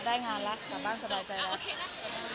ได้งานแล้วกลับบ้านสบายใจแล้ว